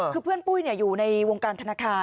คือเพื่อนปุ้ยอยู่ในวงการธนาคาร